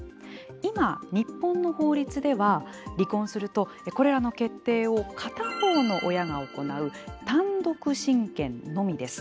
今、日本の法律では、離婚するとこれらの決定を片方の親が行う単独親権のみです。